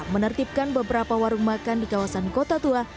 menertibkan beberapa warung makan di kawasan kota tua